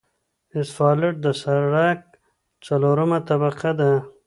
اسفالټ د سرک څلورمه طبقه ده